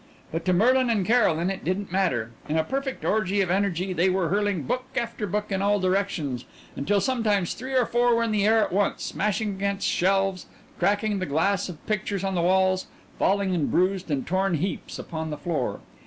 But to Merlin and Caroline it didn't matter. In a perfect orgy of energy they were hurling book after book in all directions until sometimes three or four were in the air at once, smashing against shelves, cracking the glass of pictures on the walls, falling in bruised and torn heaps upon the floor.